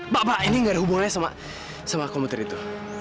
pak pak ini gak ada hubungannya sama komputer itu